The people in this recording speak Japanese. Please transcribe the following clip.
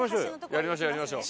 やりましょうやりましょう。